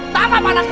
tak apa anak itu